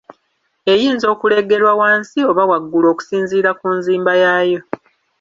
Eyinza okuleegerwa wansi oba waggulu okusinziira ku nzimba yaayo.